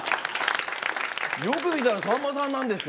よく見たらさんまさんなんですよ。